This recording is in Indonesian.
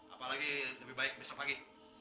apalagi lebih baik besok pagi